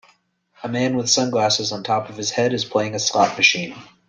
A man with sunglasses on top of his head is playing a slot machine.